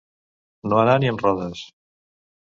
No anar ni amb rodes.